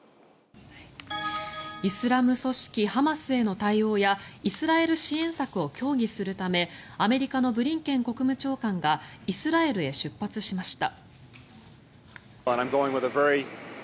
イスラム組織ハマスへの対応やイスラエル支援策を協議するためアメリカのブリンケン国務長官がイスラエルへ出発しました。